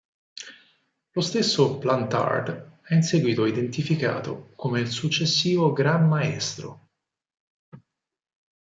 Lo stesso Plantard è in seguito identificato come il successivo Gran Maestro.